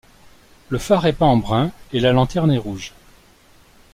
Le phare est peint en brun et la lanterne est rouge.